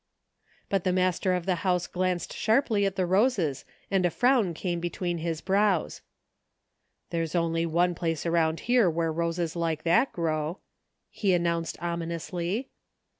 " But the master of the house glanced sharply at the roses and a frown came between his brows. There's only one place around here where roses like that grow," he announced ominously.